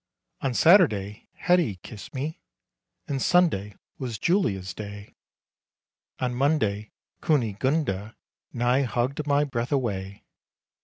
On Saturday Hetty kissed me, And Sunday was Julia's day; On Monday Kunigunda Nigh hugged my breath away.